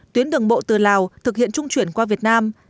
tuyến đường bộ từ lào thực hiện trung chuyển qua việt nam